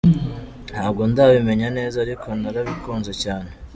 Ntabwo ndabimenya neza ariko narabikunze cyane.